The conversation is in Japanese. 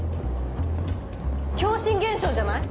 共振現象じゃない？